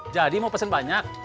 jadi mau pesen banyak